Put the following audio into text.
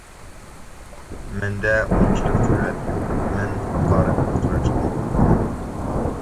مەندە ئۇنچىلىك جۈرئەت يوق، مەن ھاقارەتكە ئۇچراشتىن قورقىمەن.